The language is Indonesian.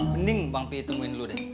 mending bang p i temuin dulu deh